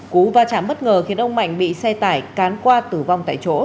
cú va chạm bất ngờ khiến ông mạnh bị xe tải cán qua tử vong tại chỗ